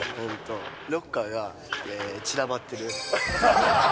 ロッカーが散らばってる。